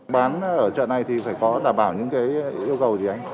bán ở chợ này thì phải có đảm bảo những cái yêu cầu gì anh